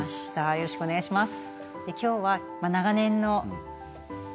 よろしくお願いします。